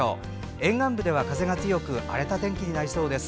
沿岸部では風が強く荒れた天気になりそうです。